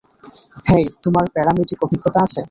হেই, তোমার প্যারামেডিক অভিজ্ঞতা আছে?